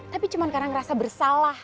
tapi cuma karena ngerasa bersalah